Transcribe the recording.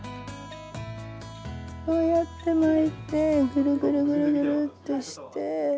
こうやって巻いてグルグルグルグルッとして。